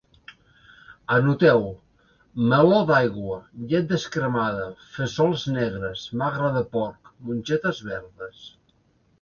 Anoteu: meló d'aigua, llet descremada, fesols negres, magre de porc, mongetes verdes